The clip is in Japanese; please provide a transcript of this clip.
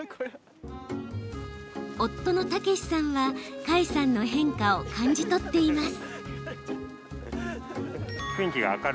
夫の丈士さんは花衣さんの変化を感じ取っています。